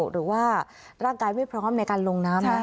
หรือว่าร่างกายไม่พร้อมในการลงน้ำนะ